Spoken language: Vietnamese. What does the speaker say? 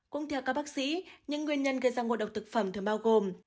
cũng theo các bác sĩ những nguyên nhân gây ra ngộ độc thực phẩm thường bao gồm